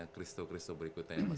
ada kristu kristu berikutnya